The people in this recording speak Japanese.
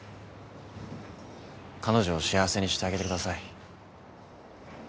彼女を幸せにしてあげてください。